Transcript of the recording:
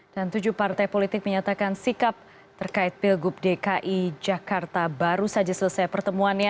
dan tujuh partai politik menyatakan sikap terkait pilgub dki jakarta baru saja selesai pertemuan